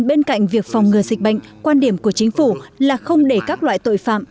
bên cạnh việc phòng ngừa dịch bệnh quan điểm của chính phủ là không để các loại tội phạm